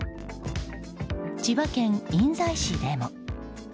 千葉県印西市でも。